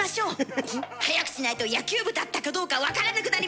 早くしないと野球部だったかどうか分からなくなります！